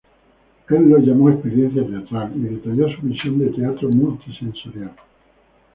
Él lo llamó "Experiencia Teatral", y detalló su visión de teatro multi-sensorial.